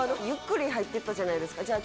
ゆっくり入って行ったじゃないですか。